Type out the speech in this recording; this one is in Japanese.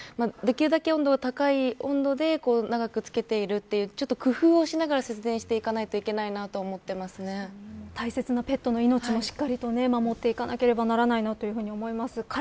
なので、できるだけ高い温度で長くつけているというちょっと工夫をしながら節電していかないといけないと大切なペットの命もしっかりと守っていかなければならないと思います。